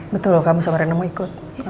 betul kamu sama reina mau ikut